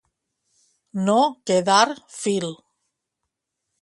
No quedar fil.